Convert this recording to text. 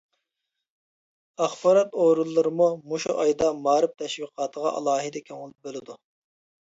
ئاخبارات ئورۇنلىرىمۇ مۇشۇ ئايدا مائارىپ تەشۋىقاتىغا ئالاھىدە كۆڭۈل بۆلىدۇ.